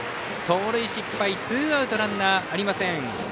盗塁失敗ツーアウト、ランナーありません。